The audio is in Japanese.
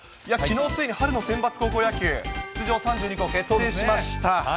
きのうついに春のセンバツ高校野球、出場３２校決定しました。